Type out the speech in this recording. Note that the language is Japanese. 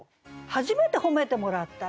初めて褒めてもらった。